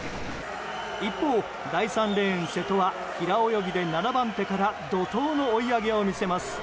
一方、第３レーン瀬戸は平泳ぎで７番手から怒涛の追い上げを見せます。